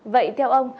vậy theo ông